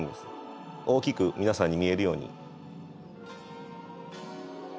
大きく皆さんに見えるように。